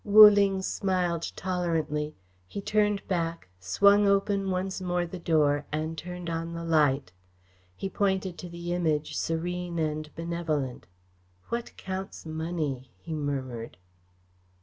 Wu Ling smiled tolerantly. He turned back, swung open once more the door, and turned on the light. He pointed to the Image, serene and benevolent. "What counts money?" he murmured.